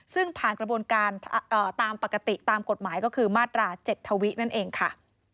ซึ่งผ่านกระบวนการตามปกติตามกฎหมายก็คือมาตรา๗ทวินั่นเองค่ะ